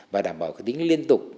và đảm bảo cái tính liên tục